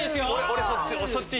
俺そっち。